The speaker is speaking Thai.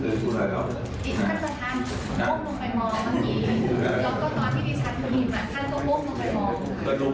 ผมไม่มีเวลามาสนใจคุณหรอก